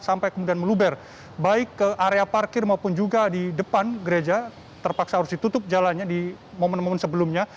sampai kemudian meluber baik ke area parkir maupun juga di depan gereja terpaksa harus ditutup jalannya di momen momen sebelumnya